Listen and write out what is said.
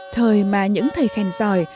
thời mà những thầy khen giỏi